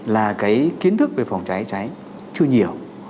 là cái kiến thức về phòng cháy cháy chưa nhiều